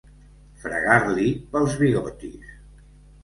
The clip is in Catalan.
Fregar-li pels bigotis.